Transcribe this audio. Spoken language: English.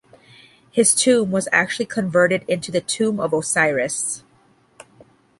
His tomb was actually converted into the tomb of Osiris.